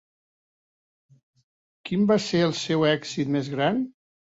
Quin va ser el seu èxit més gran?